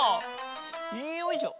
よいしょ。